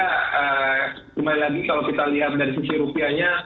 kembali lagi kalau kita lihat dari sisi rupiahnya